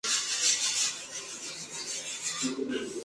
Niños Mutantes ha grabado dos versiones de "Boys Don't Cry".